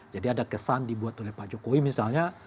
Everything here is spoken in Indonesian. jadi ada kesan dibuat oleh pak jokowi misalnya